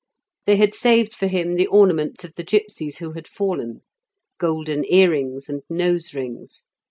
They had saved for him the ornaments of the gipsies who had fallen, golden earrings and nose rings.